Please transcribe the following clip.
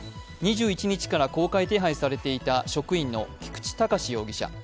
２１日から公開手配されていた職員の菊池隆容疑者。